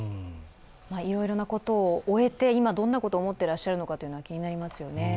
いろいろなことを終えて今どんなことを思っていらっしゃるのか気になるところですね。